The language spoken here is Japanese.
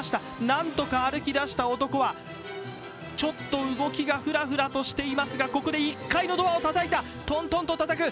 なんとか歩きだした男は、ちょっと動きがふらふらとしていますが、ここで１階のドアをたたいた、トントンとたたく。